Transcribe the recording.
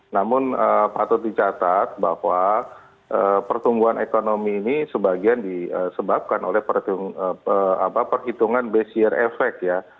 namun patut dicatat bahwa pertumbuhan ekonomi ini sebagian disebabkan oleh perhitungan base year effect ya